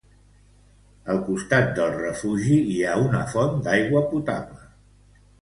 Al costat del refugi, hi ha una font d'aigua potable.